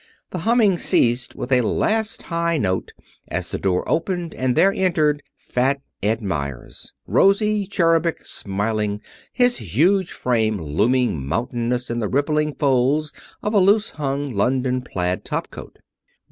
The humming ceased with a last high note as the door opened and there entered Fat Ed Meyers, rosy, cherubic, smiling, his huge frame looming mountainous in the rippling folds of a loose hung London plaid topcoat.